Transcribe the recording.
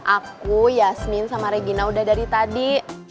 aku yasmin sama regina udah dari tadi